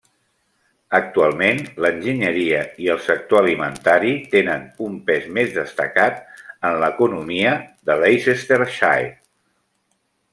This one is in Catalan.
Actualment l'enginyeria i el sector alimentari tenen un pes més destacat en l'economia de Leicestershire.